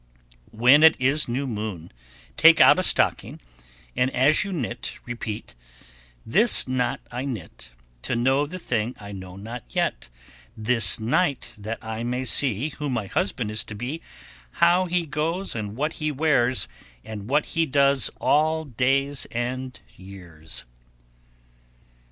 1087. When it is new moon, take out a stocking, and as you knit repeat, This knot I knit To know the thing I know not yet, This night that I may see Who my husband is to be, How he goes and what he wears, And what he does all days and years.